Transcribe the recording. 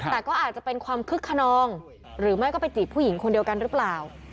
แต่ก็อาจจะเป็นความคึกขนองหรือไม่ก็ไปจีบผู้หญิงคนเดียวกันหรือเปล่า